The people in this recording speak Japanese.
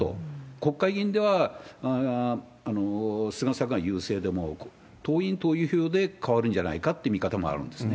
国会議員では菅さんが優勢でも、党員、党友票で変わるんじゃないかって見方もあるんですね。